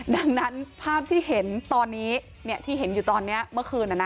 ดังนั้นภาพที่เห็นตอนนี้ที่เห็นอยู่ตอนนี้เมื่อคืน